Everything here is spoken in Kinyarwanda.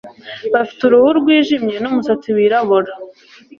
Bafite uruhu rwijimye numusatsi wirabura